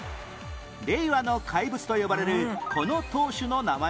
「令和の怪物」と呼ばれるこの投手の名前は？